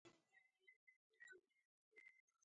انیلا په لومړي ځل لږه موسکه شوه